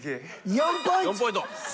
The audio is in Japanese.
４ポイント。